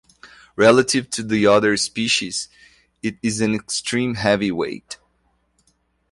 Relative to the other species it is an extreme heavyweight.